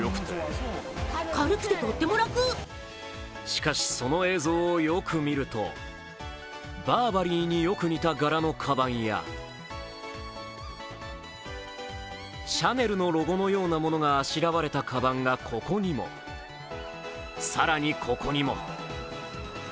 しかし、その映像をよく見るとバーバリーによく似た柄のかばんやシャネルのロゴのようなものがあしらわれたかばんがここにも、更にここにも。